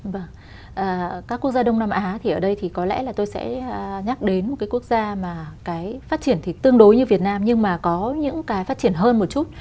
vâng các quốc gia đông nam á thì ở đây thì có lẽ là tôi sẽ nhắc đến một cái quốc gia mà cái phát triển thì tương đối như việt nam nhưng mà có những cái phát triển hơn một chút